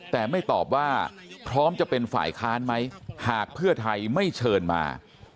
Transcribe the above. แต่ไม่ตอบว่าพร้อมจะเป็นฝ่ายค้านไหมหากเพื่อไทยไม่เชิญมา